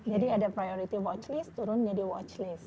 jadi ada priority watch list turun menjadi watch list